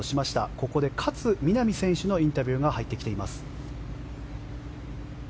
ここで勝みなみ選手のインタビューが入ってきています。